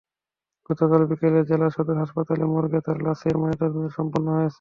গতকাল বিকেলে জেলা সদর হাসপাতালের মর্গে তাঁর লাশের ময়নাতদন্ত সম্পন্ন হয়েছে।